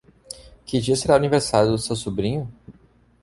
Que dia será o aniversário do seu sobrinho?